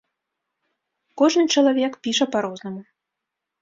Кожны чалавек піша па-рознаму.